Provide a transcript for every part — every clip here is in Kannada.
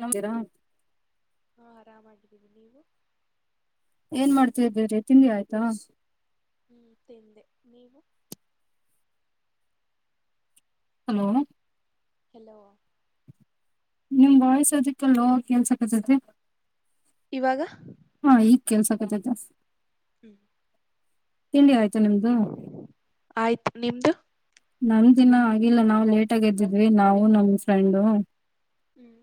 ನಮದಿರಾ ಹಾಂ ಆರಾಮಾಗಿದ್ದೀನಿ ನೀವು ಏನ್ ಮಾಡ್ತವಿ ಬೇರೆ ತಿಂಡಿ ಆಯ್ತಾ ಹ್ಮ್ ತಿಂದೆ ನೀವು ಹಲೋ ಹಲೋ ನಿಮ್ ವಾಯ್ಸ್ ಅದಕ್ಕೆ ಲೋ ಕೆಲ್ಸಕ್ತತಿ ಇವಾಗ ಕೆೇಳಸಕತ ಜ ಹ್ಮ್ ತಿಂಡಿ ಆಯ್ತು ಆಯ್ತು ನಿಮ್ದ ನಮ ದಿನ ಆಗಿಲ್ಲ ನಾವು ಲೇಟ್ ಆಗ ಎದ್ದಿದ್ವಿ ನಾವು ನಮ ಫ್ರೆಂಡು ಹ್ಮ್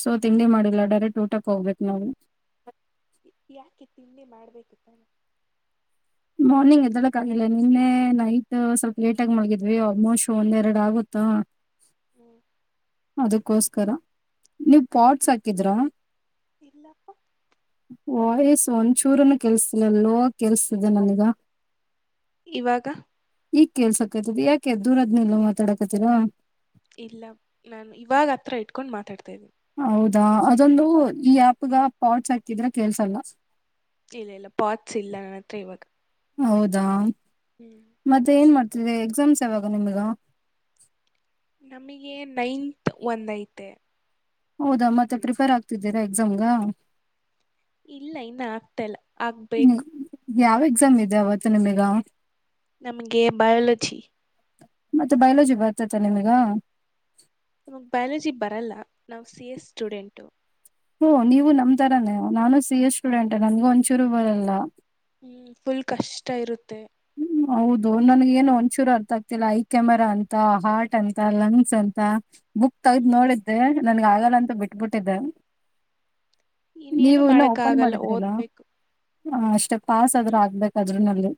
ಸೊ ತಿಂಡಿ ಮಾಡಿಲ್ಲ ಡೈರೆಕ್ಟ್ ಊಟಕ್ಕೆ ಹೋಗ್ಬೇಕು ನಾವು ಯಾಕೆ ತಿಂಡಿ ಮಾಡ್ಬೇಕುತ್ತಾನ ಮಾರ್ನಿಂಗ್ ಎದ್ದಳಕ್ ಆಗಿಲ್ಲ ನಿನ್ನೆ ನೈಟ್ ಸ್ವಲ್ಪ್ ಲೇಟ್ ಆಗಿ ಮಲಗಿದ್ವಿ ಆಲ್ಮೋಸ್ಟ್ ಒಂದ್ ಎರಡು ಆಗುತ್ತ ಹ ಹ್ಮ್ ಅದಕ್ಕೋಸ್ಕರ ನೀವ್ ಪಾಟಸ್ ಹಾಕಿದ್ರಾ ಇಲ್ಲಪ್ಪ ವಾಯ್ಸ್ ಒಂದಚೂರನ ಕೆಲ್ಸತಿಲ್ಲ ಲೋ ಕೆಲ್ಸತಿದೆ ನನೀಗ ಇವಾಗ ಈಗ್ ಕೇಸಕ್ತದ ಯಾಕೆ ದೂರದ್ನಲ್ಲ ಮಾತಾಡಕತ್ತೀರಾ ಇಲ್ಲ ನಾನು ಇವಾಗ ಹತ್ರ ಇಟ್ಕೊಂಡು ಮಾತಾಡ್ತಾ ಇದೀನಿ ಹೌದಾ ಅದೊಂದು ಈ ಆಪ್ಗ ಪಾಟ್ಸ್ ಹಾಕಿದ್ರೆ ಕೇಸಲ್ಲ ಇಲ್ಲ ಇಲ್ಲ ಪಾಟ್ಸ್ ಇಲ್ಲ ನನತ್ರೆ ಇವಾಗ ಹೌದಾ ಹ್ಮ್ ಮತ್ತೆ ಏನ್ ಮಾಡ್ತಿದೆ ಎಕ್ಸಾಮ್ಸ್ ಯಾವಾಗ ನಿಮ್ಗ ನಮಗೆ ನೈನ್ತ್ ಒಂದಐತೆ ಹೌದಾ ಮತ್ತೆ ಪ್ರಿಫರ್ ಆಗ್ತಿದ್ದೀರಾ ಎಕ್ಸಾಮ್ಗ ಇಲ್ಲ ಇನ್ನ ಆಗ್ತಲ್ಲ ಆಗ್ಬೇಕು ಯಾವ್ ಎಕ್ಸಾಮ್ ಇದೆ ಅವವತ್ತು ನಿಮಗ ನಮ್ಗೆ ಬಯಾಲಜಿ ಮತ್ತೆ ಬಯಲಜಿ ಬರ್ತತ ನಿಮ್ಗ ನಮಗ್ ಬಯಾಲಜಿ ಬರಲ್ಲ ನಾವು ಸಿ ಎಸ್ ಸ್ಟೂಡೆಂಟು ಹ ನೀವು ನಮ್ತರಾನೇ ನಾನು ಸಿ ಎ ಸ್ಟೂಡೆಂಟ್ ನನ್ಗೂ ಒಂಚೂರು ಬರಲ್ಲ ಹ್ಮ್ ಫುಲ್ ಕಷ್ಟ ಇರುತ್ತೆ ಹ್ಮ್ ಹೌದು ನನ್ಗ ಏನು ಒಂಚೂರು ಅರ್ಥ ಆಗ್ತಿಲ್ಲ ಐ ಕ್ಯಾಮರಾ ಅಂತ ಹಾರ್ಟ್ ಅಂತ ಲಂಗ್ಸ್ ಅಂತ ಬುಕ್ ತಗ್ದ್ ಹ್ಮ್ ನೋಡಿದ್ದೆ ನನ್ಗ ಆಗಲ್ಲ ಅಂತ ಬಿಟ್ಬಿಟ್ಟಿದ್ದೆ ಇನ್ನೇನು ನೀವು ಇನ್ನ ಮಾಡಕ್ ಓಪನ್ ಆಗಲ್ಲ ಮಾಡಿದ್ರಲ್ಲ ಓದ್ಬೇಕು ಹ ಅಷ್ಟೆ ಪಾಸ್ ಆದ್ರ ಹ್ಮ್ ಆಗ್ಬೇಕಾದ್ರೂ ನಲ್ಲಿ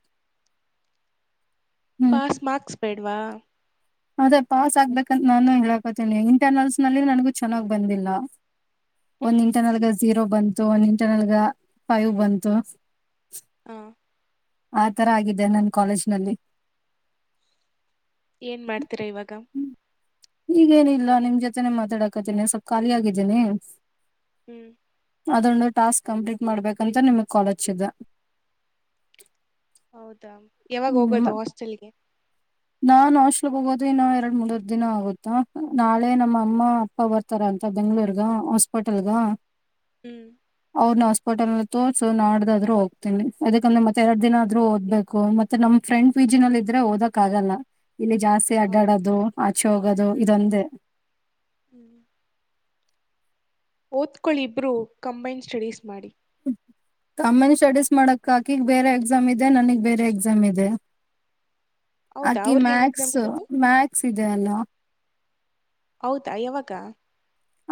ಹ್ಮ್ ಪಾಸ್ ಮಾರ್ಕ್ಸ್ ಬೇಡ್ವಾ ಅದೇ ಪಾಸ್ ಆಗ್ಬೇಕಂತ ನಾನು ಹೇಳಕೊತೇನಿ ಇಂಟರ್ನಲ್ಸ್ ನಲ್ಲಿ ನನಗೂ ಚೆನ್ನಾಗ್ ಬಂದಿಲ್ಲ ಹ್ಮ್ ಒಂದ್ ಇಂಟರ್ನಲ್ಗ ಜಝೀರೋ ಬಂತು ಒಂದ್ ಇಂಟರ್ನಲ್ಗ ಫೈವ್ ಬಂತು ಹಾ ಆತರ ಆಗಿದ್ದ ನನ್ ಕಾಲೇಜ್ ನಲ್ಲಿ ಏನ್ ಮಾಡ್ತೀರಾ ಇವಾಗ ಈಗೇನಿಲ್ಲ ನಿಮ್ ಜೊತೆನೆ ಮಾತಾಡಕತೀನಿ ಸ್ವಲ್ಪ ಖಾಲಿ ಆಗಿದ್ದೀನಿ ಹ್ಮ್ ಅದೊಂದು ಟಾಸ್ಕ್ ಕಂಪ್ಲೀಟ್ ಮಾಡ್ಬೇಕಂತ ನಿಮಗ್ ಕಾಲಚದ್ದ ಹೌದಾ ಯಾವಾಗ ಹೋಗೋದು ಹಾಸ್ಟೆಲ್ಗೆ ನ ಹಾಸ್ಟ್ಲ್ ಹೋಗೋದು ಇನ್ನು ಎರಡ್ ಮೂರುರ್ ದಿನ ಆಗುತ್ತಾ ನಾಳೆ ನಮ್ಮ ಅಮ್ಮ ಅಪ್ಪ ಬರ್ತಾರ ಅಂತ ಬೆಂಗ್ಗಳೂರ್ ಹಾಸ್ಪಿಟಲ್ಗ ಹ್ಮ್ ಅವ್ರನ್ನ ಹಸ್ಪ ಹೋಟೆಲ್ ನಲ್ಲಿ ತೋರ್ಸು ನಾಡ್ದಾದ್ೂ ಹೋಗತನಿ ಅದಕಂದ್ರೆ ಮತ್ತೆ ಎರಡ್ ದಿನ ಆದ್ರೂ ಓದ್ಬೇಕು ಮತ್ತೆ ಮ ನಮ್ ಫ್ರೆಂಡ್ ಪೀಜ ನಲ್ಲಿ ಇದ್ರೆ ಓದಕ್ ಆಗಲ್ಲ ಇಲ್ಲಿ ಜಾಸ್ತಿ ಹೌದು ಅಡ್ಡಾಡದು ಆಚೆ ಹೋಗೋದು ಹ್ಮ್ ಇದೊಂದೇ [inaudible] ಓದ್ಕಳ ಇಬ್ರು ಕಂಬೈನ್ ಸ್ಟಡೀಸ್ ಮಾಡಿ ಹ್ಮ ಕಾಮೆಂಟ್ ಸ್ಟಡೀಸ್ ಮಾಡಕ್ ಆಕಿಗ್ ಬೇರೆ ಎಕ್ಸಾಮ್ ಇದೆ ನನಗ್ ಬೇರೆ ಎಕ್ಸಾಮ್ ಇದೆ ಹೌದಾ ಅಕಿ ಅವ್ರಗ ಏನ್ ಎಕ್ಸಾಮ್ ಮ್ಯಾಕ್ಸ್ ಇರೋದು ಮ್ಯಾಕ್ಸ್ ಇದೆ ಅಲ್ಲ ಹೌದಾ ಯಾವಾಗ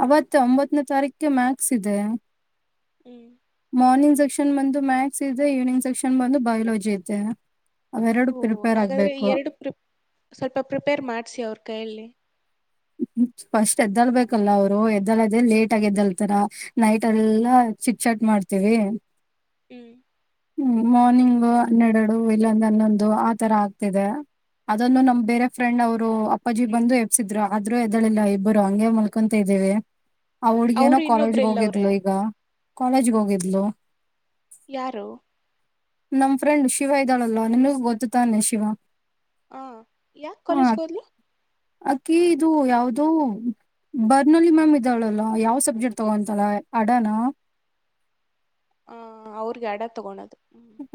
ಅವತ್ತ ಒಂಬತ್ತನೇ ತಾರೀಕ್ಗೆ ಮ್ಯಾಕ್ಸ್ ಇದೆ. ಹ್ಮ್. ಮಾರ್ನಿಂಗ್ ಸೆಕ್ಷನ್ ಬಂದು ಮ್ಯಾಥ್ಸ್ ಇದೆ ಈವ್ನಿಂಗ್ ಸೆಕ್ಷನ್ ಬಂದು ಬಯೋಲಜಿ ಇದೆ. ಅವೆರಡು ಓ ಪ್ರಿಪೇರ್ ಹಾಗಾದ್ರೆ ಆಗ್ಬೇಕು ಎರಡು ಪ್ರಿ ಸ್ವಲ್ಪ ಪ್ರಿಪೇರ್ ಮಾಡ್ಸಿ ಅವ್ರ್ ಕೈಯಲ್ಲಿ. [inaudible] ಫಸ್ಟ್ ಎದ್ದಲ್ಬೇಕಲ್ಲ ಅವ್ರು ಎದ್ದಲೋದೆ ಲೇಟ್ ಆಗಿ ಎದ್ದಲ್ತಾರ ನೈಟ್ ಎಲ್ಲಾ ಚಿಟ್ ಚಾಟ್ ಮಾಡ್ತೀವಿ. ಹ್ಮ್. ಹ್ಮ್ ಮಾರ್ನಿಂಗ್ ಹನ್ನೆರಡು ಇಲ್ಲಾಂದ್ರೆ ಹನ್ನೊಂದು ಆತರ ಆಗ್ತಿದೆ. ಅದನ್ನು ನಮ್ ಬೇರೆ ಫ್ರೆಂಡ್ ಅವ್ರು ಅಪ್ಪಾಜಿ ಬಂದು ಎಬ್ಸಿದ್ರ. ಆದ್ರೂ ಎದ್ದೇಳಿಲ್ಲ ಇಬ್ಬರು ಹಂಗೆ ಮಲ್ಕೊಂತಾ ಇದ್ದೀವಿ. ಆ ಹುಡುಗಿಯೇನೋ ಅವರು ಇನ್ನೊಬ್ರು ಕಾಲೇಜ್ಗೆ ಎಲ್ಲವ್ರೆ ಹೋಗಿದ್ಲು ಈಗ ಕಾಲೇಜ್ಗ್ ಹೋಗಿದ್ಲು. ಯಾರು. ನಮ್ ಫ್ರೆಂಡ್ ಶಿವ ಇದ್ದಾಳಲ್ಲ ನಿನಗೂ ಗೊತ್ತು ತಾನೆ ಶಿವ. ಹಾ ಯಾಕ್ ಕಾಲೇಜ್ಗ್ ಹೋದ್ಲು. ಆಕಿ ಇದು ಯಾವ್ದೋ ಬರ್ನಲ್ಲಿ ಮ್ಯಾಮ್ ಇದಾಳಲ್ಲ ಯಾವ್ ಸಬ್ಜೆಕ್ಟ್ ತಗೊಂತಾಳೆ ಅಡಾನ. ಹಾ ಅವ್ರ್ಗ್ ಎರ್ಡ ತೊಗೋಣೊದು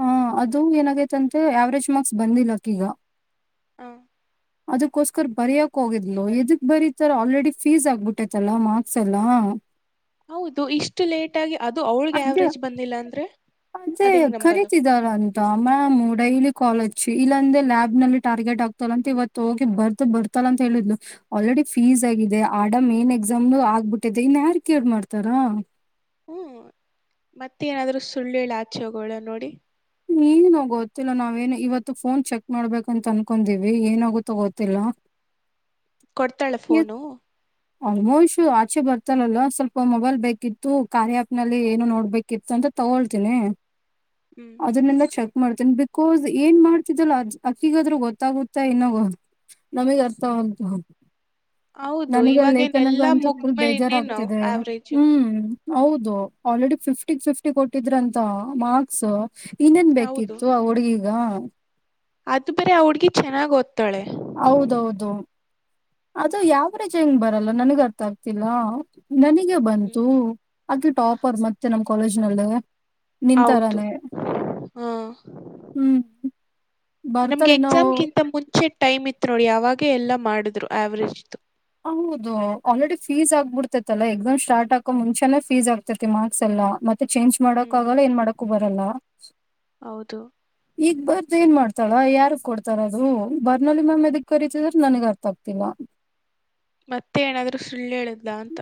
ಹಾ ಅದು ಏನಾಗೈತಂತೆ ಆವ್ರೇಜ್ ಮಾರ್ಕ್ಸ್ ಬಂದಿಲ್ಲ್ ಆಕಿಗ. ಹ್ಮ್. ಅದಕ್ಕೋಸ್ಕರ ಬರಿಯಕ್ ಹೋಗಿದ್ಲು ಎದಕ್ ಬರೀತರ ಆಲ್ರೆಡಿ ಫೀಸ್ ಆಗ್ಬಿಟ್ಟೈತಲ್ಲ ಮಾರ್ಕ್ಸ್ ಎಲ್ಲ. ಹೌದು ಇಷ್ಟು ಲೇಟಾಗಿ ಅದು ಅವಳ್ಗೆ ಅದೇ ಆವರೇಜ್ ಬಂದಿಲ್ಲ ಅಂದ್ರೆ. ಅದೇ ಅದ್ ಹೆಂಗ್ ನಂಬೋದು ಕರೀತಿದ್ದಾರಂತ ಮ್ಯಾಮು ಡೈಲಿ. ಕಾಲೇಜ್ ಇಲ್ಲಂದೆ ಲ್ಯಾಬ್ ನಲ್ಲಿ ಟಾರ್ಗೆಟ್ ಆಗ್ತಾಳಂತೆ ಇವತ್ತು ಹೋಗಿ ಬರ್ದು ಬರ್ತಾಳಂತೆ ಹೇಳಿದ್ಲು ಅಲ್ಲೇ ಫೀಸ್ ಆಗಿದೆ ಆಡ ಮೇನ್ ಎಕ್ಸಾಮ್ ಆಗ್ಬಿಟ್ಟಿದೆ ಇನ್ನ್ಯಾರಿಗ್ ಕೇರ್ ಮಾಡ್ತಾರಾ. ಹ್ಮ್ ಮತ್ತೆ ಏನಾದ್ರೂ ಸುಳ್ಳೇಲ್ ಆಚೆ ಹೋಗೋಳ ನೋಡಿ. ಏನು ಗೊತ್ತಿಲ್ಲ ನಾವೇನ್ ಇವತ್ತು ಫೋನ್ ಚೆಕ್ ಮಾಡ್ಬೇಕಂತ ಅನ್ಕೊಂಡೀವಿ ಏನಾಗುತ್ತೋ ಗೊತ್ತಿಲ್ಲ. [inaudible] ಕೊಡ್ತಾಳ ಫೋನು. ನೋ ಇಶ್ಯೂ ಆಚೆ ಬರ್ತಲ್ಲಲ್ವ ಸ್ವಲ್ಪ ಮೊಬೈಲ್ ಬೇಕಿತ್ತು ಕಾರ್ಯ ಆಪ್ನಲ್ಲಿ ಏನು ನೋಡ್ಬೇಕಿತ್ತು ಅಂತ ತಗೊಳ್ತೀನಿ ಹ್ಮ್ ಅದನ್ನೆಲ್ಲ ಚೆಕ್ ಮಾಡ್ತೀನಿ ಬಿತ್ ಕೋಸ್ ಏನ್ ಮಾಡ್ತಿದ್ದಲ್ಲ ಅದ್ ಅಕಿಗಾದ್ರೂ ಗೊತ್ತಾಗುತ್ತಾ ಇಲ್ಲವೋ. ನಮಿಗ್ ಅರ್ಥ ಆಗ್ಬಹುದ್. ಹೌದು ನನಗಲ್ ಇವಾಗೇನ್ ಎಲ್ಲಾ ಲೇಖನಗಂತು ಫುಲ್ ಮುಗ್ಮೇಲೆ ಇನ್ನೇನು ಬೇಜಾರಾಗ್ತಿದೆ ಆವ್ರೇಜ್ ಹ್ಮ್ ಹೌದು ಆಲ್ರೆಡಿ ಫಿಫ್ಟಿಗ್ ಫಿಫ್ಟಿ ಕೊಟ್ಟಿದ್ರಂತ ಮಾರ್ಕ್ಸ್. ಇನ್ನೇನ್ ಹೌದು ಬೇಕಿತ್ತು ಆ ಹುಡುಗೀಗಾ. ಅದು ಬೇರೆ ಆ ಹುಡುಗಿ ಚೆನ್ನಾಗ್ ಓದ್ತಾಳೆ. ಹೌದೌದು. ಅದು ಯಾವ್ರೇಜ್ ಹೆಂಗ್ ಬರಲ್ಲ ನನಗ್ ಅರ್ಥ ಆಗ್ತಿಲ್ಲ. ನನಿಗೆ ಹ್ಮ್ ಬಂತು ಅದು ಟಾಪರ್ ಮತ್ತೆ ನಮ್ ಕಾಲೇಜ್ನಲ್ಲೇ. ಹೌದು ನಿಂತರಾನೇ ಹಾ. ಹ್ಮ್ ನಮ್ಗೆ ಬರ್ತಾರೇನೋ ಎಕ್ಸಾಮ್ಗಿಂತ ಮುಂಚೆ ಟೈಮ್ ಇತ್ತು ನೋಡಿ ಅವಾಗೆ ಎಲ್ಲ ಮಾಡುದ್ರು ಆವರೇಜ್ದು. ಹೌದು ಆಲ್ರೆಡಿ ಫೀಸ್ ಆಗ್ಬಿಡ್ತೈತ್ತಲ್ಲ ಎಕ್ಸಾಮ್ ಸ್ಟಾರ್ಟ್ ಆಕೋ ಮುಂಚೆನೇ ಫೀಸ್ ಆಗ್ತತಿ ಮಾರ್ಕ್ಸ್ ಎಲ್ಲಾ ಮತ್ ತ್ತೆ ಚೇಂಜ್ ಮಾಡಕು ಹ್ಮ್ ಆಗಲ್ಲ ಏನ್ ಮಾಡಕು ಬರಲ್ಲ ಹೌದು ಈಗ್ ಬರ್ದು ಏನ್ ಮಾಡ್ತ್ ತಳ ಯಾರಗ್ ಕೊಡ್ತಾರ ಅದು ಬರ್ನಲ್ಲಿ ಮ್ಯಾಮ್ ಎದಕ್ ಕರಿತಿದರ್ ನನಗ್ ಅರ್ಥ ಆಗ್ತಿಲ್ಲ. ಮತ್ತೆ ಏನಾದ್ರೂ ಸುಳ್ಳು ಹೇಳುದ್ಲ ಅಂತ.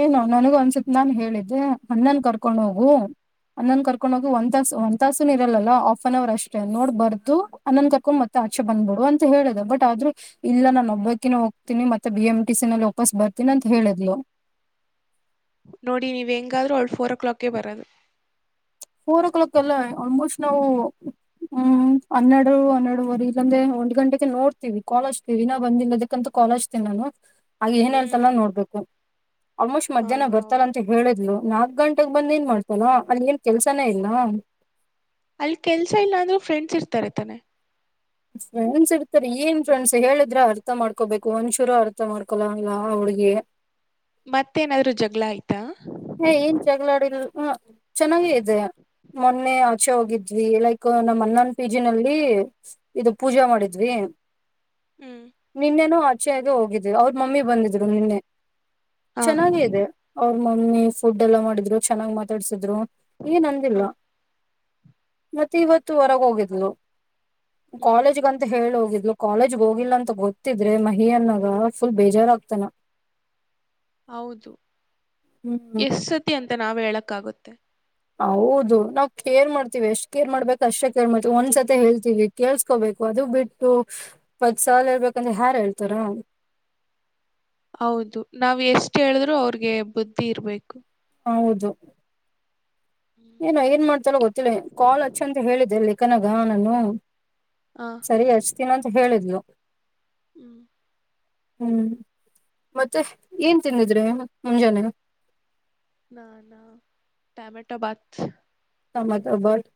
ಏನು ನನಗ್ ಅನ್ಸಿದ್ ನಾನ್ ಹೇಳಿದ್ದೆ ಅಣ್ಣನ್ ಕರ್ಕೊಂಡ್ ಹೋಗು. ಅಣ್ಣನ್ ಕರ್ಕೊಂಡ್ ಹೋಗು ಒಂದ್ ತಾಸ್ ಒಂದ್ ತಾಸುನು ಇರಲ್ಲಲ್ಲ ಹಾಫ್ ಎನ್ ಹವರ್ ಅಷ್ಟೇ ನೋಡ್ ಬರ್ದು ಅಣ್ಣನ್ ಕರ್ಕೊಂಡ್ ಮತ್ತ ಆಚೆ ಬಂದ್ಬಿಡು ಅಂತ ಹೇಳಿದೆ ಬಟ್ ಆದ್ರೂ ಇಲ್ಲ ನಾನು ಒಬ್ಬಾಕಿನ ಹೋಗ್ತಿನಿ ಮತ್ತೆ ಬಿ ಎಂ ಟ ಸಿ ನಲ್ಲಿ ವಾಪಸ್ ಬರ್ ತಿನಂತ್ ಹೇಳಿದ್ಲು. ನೋಡಿ ನೀವ ಹೆಂಗಾದ್ರೂ ಅವಳ ಫೋರ್ ಕ್ಲಾಕಗೆ ಬರದು ಫೋರ್ ಓ ಕ್ಲಾಕ್ ಅಲ್ಲ ಆಲ್ಮೋಸ್ಟ್ ನಾವು ಹ್ಮ್ ಹನ್ನೆರಡು ಹನ್ನರಡುುವರೆ ಗಂದೆ ಒಂದ್ ಗಂಟೆಗೆ ನೋಡ್ತೀವಿ ಕಾಲೇಜ್ ಕ ವಿನ ಬಂದಿಲ್ಲ ಅದಕ್ಕಂತ ಕಾಲೇಜ್ತ ನಾನು ಆಗ ಏನ್ ಹ್ಮ್ ಹೇಳ್ತಲ್ಲ ನೋಡ್ಬೇಕು ಆಲ್ಮೋಸ್ಟ್ ಹಾ ಮಧ್ಯಾಹ್ನ ಬರ್ತಾರ ಹೌದು ಅಂತ ಹೇಳಿದ್ಲು ನಾಲ್ಕ್ ಗಂಟೆಗೆ ಬಂದ ಏನ್ ಮಾಡ್ತಾರ ಅಲ್ಲಿ ಏನ್ ಕೆಲ್ಸನೇ ಇಲ್ ಅಲ್ಲಿ ಕೆಲ್ಸ ಇಲ್ಲ ಅಂದ್ರರು ಫ್ರೆಂಡ್ಸ್ ಇರ್ತಾರೆ ತಾನೆ ಫ್ರೆಂಡ್ಸ್ ಇರ್ತಾರೆ ಏನ್ ಫ್ರೆಂಡ್ಸ್ ಹೇಳಿದ್ರ ಅರ್ಥ ಮಾಡ್ಕೋಬೇಕು ಒಂದ್ ಶೂರು ಅರ್ಥ ಮಾಡ್ಕೊಲ್ಲಲ್ಲ ಅವ ಹಡುಗೆ ಮತ್ತೇನಾದ್ರು ಜಗ್ಗಳ ಆಯ್ತಾ ಹ ಏನ್ ಜಗಳಾಡಿಲ್ ಚೆನ್ನಾಗ ಇದೆ ಮೊನ್ನೆ ಆಚೆ ಹೋಗಿದ್ವಿ ಲೈಕ್ ನಮ್ಮ್ ಅ್ಣನ್ ಪೀಜಿನಲ್ಲಿ ಇದು ಪೂಜಾ ಮಾಡಿದ್ವಿ ಹ್ಮ್ ನಿನ್ನೆನು ಆಚೆೆಯದು ಹೋಗಿದ್ದ್ ಅವ್ರ ಮಮ್ಮಿ ಬಂದಿದ್ರು ನಿನ್ನೆ ಹಾ ಚೆನ್ನಾಗಿ ಇದೆ ಫುಡ್ ಎಲ್ಲಾ ಮಾಡಿದ್ರು ಚೆನ್ನಾಗ್ ಮಾತಾಡ್ಸಿದ್ರು ಹಾ ಈಗನ್ಂದಿಲ್ವಾ ಮತ್ತೆ ಇವತ್ತು ಹೊರಗ ಹೋಗಿದ್ಲು ಹ್ಮ್ ಕಾಲೇಜ್ಗಂತ ಹೇಳಿ ಹೋಗಿದ್ು ಇಲು ಕಾಲೇಜ್ ಹೋಗಿಲ್ಲ ಅಂತ ಗೊತ್ತಿದ್ರೆ ಮಹಿ ಅನ್ನಾಗ ಫುಲ್ ಬೇಜಾರಾಗಗ್ತಾನ ಹೌದು ಎಸ್ ಸತಿ ಅಂತ ನಾವ್ ಹೇಳಕ್ಕಾಗುತ್ತೆ ಹೌದು ನಾವ್ ಕೇರ್ ಮಾಡ್ತೀವಿ ಎಷ್ಟ್ ಕೇರ್ ಮಾಡ್ಬೇಕಕ್ ಅಷ್ಟೇ ಕೇರ್ ಮಾಡ್ತೀವಿ ಒಂದ್ಸತಿ ಹೇಳ್ತೀವಿ ಕೇಳ್ಸ್ಕೋಬೇಕು ಅದು ಬಿಟ್ಟು ಪತ್ ಸಾಲ ಇೇಳ್ಬೇಕಂದ್ರೆ ಯಾರ ಹೇಳ್ತಾರ ಹೌದು ನಾವ್ ಎಷ್ಟ ಹೇಳಿದ್ರು ಅವ್ರಿಗೆ ಬುದ್ಧಿ ಇರ್ಬೇಕು ಹೌದು ಏನ ಏನ್ ಮಾಡ್ತಲ್ಲ ಗೊತ್ತಿಲ್ಲ ಕಾಲ್ ಹಚ್ಚು ಅಂತ ಹೇಳಿದೆ ಎಲ್ಲಿ ಅಕ್ಕನಗ ನಾನು ಹ ಸರಿ ಹಚ್ತೀನ ಅಂತ ಹೇಳಿದ್ಲು ಹ್ಮ್ ಹ್ಮ್ ಮತ್ತೆ ಏನ್ ತಿಂದಿದ್ರೆ ಮುಂಜಾನೆ ನಾ ನಾ ಟಮೆಟೊ ಬತ್ ಬಟ್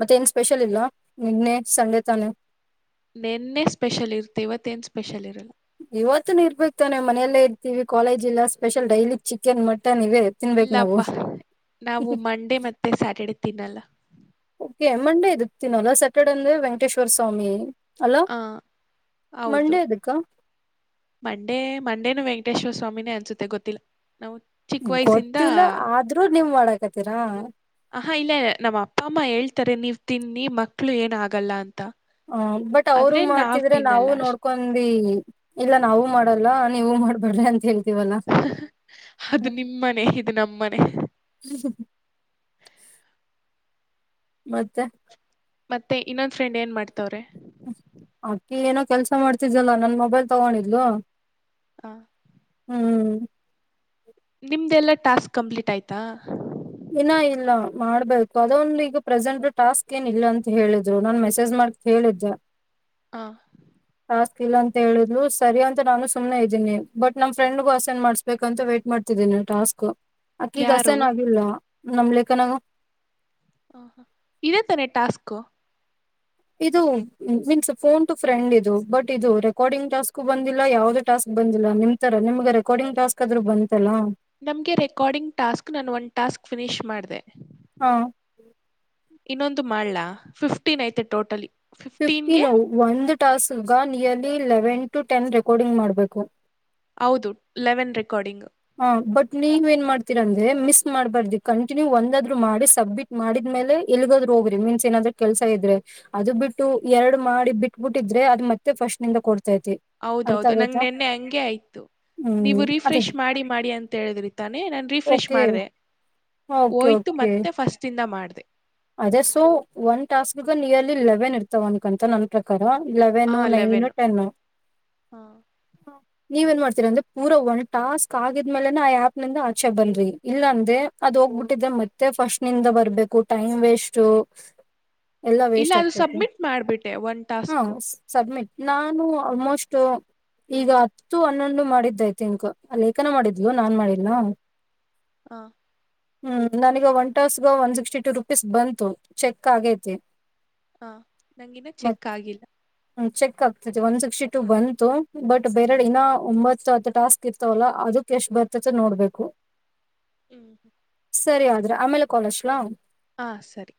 ಮತ್ತೆ ಏನ್ ಸ್ಪೆಷಲ್ ಇಲ್ಲ ನಿನ್ನೆ ಸಂಡೆ ತಾನೆ ನೆನ್ನೆ ಸ್ಪೆಷಲ್ ಇರ್ತಿ ಇವತ್ತೇಏನ್ ಸ್ಪೆಷಲ್ ಇರಲ್ಲ ಇವತ್ತು ಇರ್ಬೇಕಕ್ತಾನೆ ಮನೆಯಲ್ಲೇ ಇರ್ತೀವಿ ಕಾಲೇಜ್ ಇಲ್ಲ ಸ್ಪೆಷಲ್ ಡೈಲಿ ಚಿಕನ್ ಮ ಇಲ್ಲಪ್ಪಾ ನಾವು ಮಂಡೇ ಮತ್ತೆ ಸ್ಯಾಟರ್ಡೆ ತಿನ್ನಲ್ಲ ಓಕೆ ಮಂಡೇ ಇದದು ತಿನ್ನಲ್ಲ ಸ್ಯಾಟರ್ಡೆೇ ಅಂದ ವೆಂಕಟೇಶ್ವರ ಸ್ವಾಮಿ ಅಲ್ಲ ಹಾ ಹೌದು ಮಂಡೇ ಎದಕ್ಕ ಮಂಡೇ ಮಂಡೇನು ಪಂಟೇಶ್ವ ಸ್ವಾಮಿನೇ ಅನ್ಸುತ್ತೆ ಗೊತ್ತಿಲ್ಲ ನಾವು ಚಿಕ್ಕ ವಯಸ್ಸಿಂದ ಗೊತ್ತಿಲ್ಲ ಆದ್ರೂ ನಿಮ್ ಮಾಡಡಕತ್ತೀರಾ ಹಾ ಇಲ್ಲ ನಮ್ಮ ಅಪ್ಪ ಅಮ್ಮ ಹೇಳ್ತಾರೆ ನೀವ್ ತಿನ್ನಿ ಮಕ್ಳು ಏನ ಆಗಲ್ಲ ಅಂತ ಹ ಬಟ್ ಅವ್ರು ಆದ್ರೆ ನಾವ್ ಮಾಡ್ತಿದ್ರೆ ತಿನ್ನಲ್ಲ ನಾವವು ಅಷ್ಟ್ ನೋಡ್ಕೊಂಡಿ ಇಲ್ಲ ನಾವವು ಮಾಡಲ್ಲ ನೀವು ಮಾಡ್ಬ ಬರ್ ಅಂತಿ ಅದು ನಿಮ್ಮನೆ ಇದು ನಮ್ಮನೆ ಹ್ಮ ಹ ಮತ್ತೆ ಮತ್ತೆ ಇನ್ನೊಂದ ಫ್ರೆಂಡ್ ಏನ್ ಮಾಡ್ತವ್ರೆ ಅಕ್ಕಿ ಏನೋ ಕೆಲ್ಸ ಮಾಡ್ತಿದ್ದಲ್ಲ ನನ್ ಮೊಬೈಲ್ ತಗೊಂಡಿದ್ಲು ಹ ಹ್ಮ್ ನಿಮ್ದಲ್ಲಾ ಟಾಸ್ಕ್ ಕಂಪ್ಲೀಟ್ ಆಯ್ತಾ ಇನ್ನ ಇಲ್ಲ ಮಾಡ್ಬೇಕು ಅದೊಂದು ಈಗ ಪ್ರೆಸೆಂಟ್ ಟಾಸ್ಕ್ ಏನ್ ಇಲ್ಲ ಅಂತ ಹೇಳಿದ್ರು ನಾನ್ ಮೆಸೇಜ್ ಮಾಡ ಕೇಳಿದ್ದ ಹಾ ಟಾಸ್ಕ್ ಇಲ್ಲ ಅಂತ ಹೇಳಿದ್ ಸರಿ ಅಂತ ನಾನು್ನೆ ಇದೀನಿ ಬಟ್ ನಮ್ಮ ಫ್ರೆಂಡ್ಗೂ ಅಸೆಂಡ್ ಮಾಡ್ಬೇಕುಂತ ವೈಟ್ ಮಾಡ್ತೀನಿ ಟಾಸ್ಕ್ ಅಕ ಈಗ ಯಾರು ಹಸನ ಆಗಿಲ್ಲ ನಮ ಲೇಖನಾಗ ಹ ಹ ಇದೇ ತಾನೇ ಟಾಸ್ಕು. ಇದು ಮೀನ್ಸ್ ಫೋನ್ ಟು ಫ್ರೆಂಡ್ ಇದು ಬಟ್ ಇದು ರೆಕಾರ್ಡಿಂಗ್ ಟಾಸ್ಕ್ ಬಂದಿಲ್ಲ ಯಾವುದೇ ಟಾಸ್ಕ್ ಬಂದಿಲ್ಲ ನಿಮ್ ತರ ನಿಮ್ಗೆ ರೆಕಾರ್ಡಿಂಗ್ ಟಾಸ್ಕ್ ಆದ್ರೂನೂ ಬಂತಲ್ಲಾ. ನಮಗೆ ರೆಕಾರ್ಡಿಂಗ್ ಟಾಸ್ಕ್ ನಾನು ಒಂದು ಟಾಸ್ಕ್ ಫಿನಿಶ್ ಮಾಡಿದೆ. ಹಾ ಇನ್ನೊಂದು ಮಾಡ್ಲಾ ಫಿಫ್ಟೀನ್ ಐತೆ ಟೋಟಲಿ. ಫಿಫ್ಟಿ ಫಿಫ್ಟೀನ್ಗೆ ನೌ ಒಂದು ಟಾಸ್ಗ ಗ nearly eleven to ten recording ಮಾಡಬೇಕು. ಹೌದು ಲೆವೆನ್ ರೆಕಾರ್ಡಿಂಗ್. ಹ ಬಟ್ ನೀವು ಏನ್ ಮಾಡ್ತೀರ ಅಂದ್ರೆ ಮಿಸ್ ಮಾಡಬಾರದು ಕಂಟಿನ್ಯೂ ಒಂದಾದ್ರು ಮಾಡಿ ಸಬ್ಮಿಟ್ ಮಾಡಿದ ಮೇಲೆ ಎಲ್ಗಾದ್ರೂ ಹೋಗ್ರಿ ಮೀನ್ಸ್ ಏನಾದ್ರೂ ಕೆಲಸ ಇದ್ರೆ ಅದು ಬಿಟ್ಟು ಎರಡ್ ಮಾಡಿ ಬಿಟ್ಬಿಟ್ಟಿದ್ರೆ ಅ ಮತ್ತೆ ಫಸ್ಟ್ ನಿಂದ ಕೊಡ್ ಹೌದೌದು ನಂಗ್ ನೆನ್ನೆ ಹಂಗೆ ಆಯ್ತು ಹ್ಮ್ ನೀವು ಅದೇ ರೀಫ್ರೆಶ್. ಮಾಡಿ ಮಾಡಿ ಅಂತ ಹೇಳಿದ್ರಿ ತಾನೆ ನಾನು ರೀಫ್ರೆಶ್ ಓಕೆ ಮಾಡಿದೆ. ಓಕೆ ಹೋಯ್ತು ಓಕೆ ಮತ್ತೆ ಫಸ್ಟ್ ಇಂದ ಮಾಡ ಅದೇ ಸೊ ಒನ್ ಟಾಸ್ಕ್ಗನ್ ಇಯರ್ಲಿ ಲೆವೆನ್ ಇರ್ತಾವ ಅನ್ಕೊಂತಾ ನನ್ ಪ್ರಕಾರ. ಹಾ ಲೆವೆನು ನೈನು ಲೆವೆನ್ ಟೆನ್ನು. ನೀವು ಏನ್ ಮಾಡ್ತೀರಿ ಅಂದ್ರೆ ಪೂರಾ ಒನ್ ಟಾಸ್ಕ್ ಆಗಿದ್ಮೇಲೆ ಆ ಆಪ್ನಿಂದ ಆಚೆ ಬನ್ನಿ ಇಲ್ಲಾಂದ್ರೆ ಅದು. ಹೋಗ್ಬಿಟ್ಟಿದೆ ಮತ್ತೆ ಫಸ್ಟ್ ನಿಂದ ಬರಬೇಕು ಟೈಮ್ ವೇಸ್ಟ್. ಎಲ್ಲಾ ಇಲ್ಲ ವೇಸ್ಟ್ ಅದು ಆಗ್ತತೆ ಸಬ್ಮಿಟ್ ಮಾಡ್ಬಿಟ್ಟೆ ಒನ್ ಹ ಟಾಸ್ಕು ಸಬ್ಮಿಟ್. ನಾನು ಆಲ್ಮೋಸ್ಟ್ ಈಗ ಹತ್ತು ಹನ್ನೊಂದು ಮಾಡಿದ್ದೈತೆನ್ಕೋ ಲೇಖನ ಮಾಡಿದ್ಲು ನಾನ್ ಮಾಡಿಲ್ಲ. ಹ ಹ್ಮ್ ನನಗೆ ಒನ್ ಟಾಸ್ಗ ಒನ್ ಸಿಕ್ಸ್ಟಿ ಟೂ ರುಪೀಸ್ ಬಂತು ಚೆಕ್ ಆಗೈತಿ. ಹ ನಂಗಿನ್ನೂ ಮತ್ ಚೆಕ್ ಆಗಿಲ್ಲ. ಚೆಕ್ ಒನ್ ಸಿಕ್ಸ್ಟಿ ಟು ಬಂತು ಬಟ್ ಬೇರೆ ಇನ್ನ ಒಂಬತ್ತು ಹತ್ತು ಟಾಸ್ಕ್ ಇರ್ತವಲ್ಲ ಅದಕ್ಕೆ ಎಷ್ಟು ಬ ಹೊಚ್ಚಚ್ಚಿಗು ನೋಡ್ಬೇಕು. ಹ್ಮೀ ಸರಿ ಆದ್ರೆ ಆಮೇಲೆ ಕಾಲ್ ಹಚ್ಲಾ. ಹಾ ಸರಿ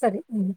ಸರಿ ಹ್ಮ್